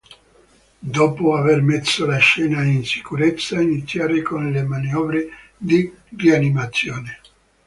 Dopo aver messo la scena in sicurezza iniziare con le manovre di rianimazione.